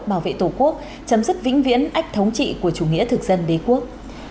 bảo vệ tổ quốc chấm dứt vĩnh viễn ách thống trị của chủ nghĩa thực dân đế quốc